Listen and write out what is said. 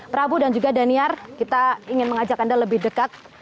prabu dan juga daniar kita ingin mengajak anda lebih dekat